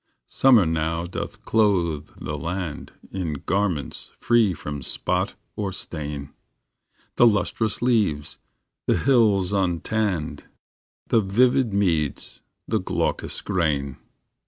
Summer now doth clothe the land In garments free from spot or stain The lustrous leaves, the hills untanned, The vivid meads, the glaucous grain.